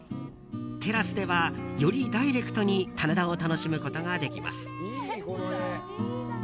テラスでは、よりダイレクトに棚田を楽しむことができます。